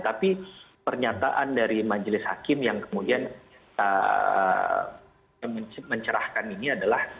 tapi pernyataan dari majelis hakim yang kemudian mencerahkan ini adalah